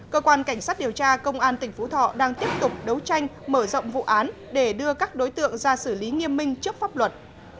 cơ quan cảnh sát điều tra công an tỉnh phú thọ đang tiếp tục đấu tranh mở rộng vụ án để đưa các đối tượng ra xử lý nghiêm minh trước pháp luật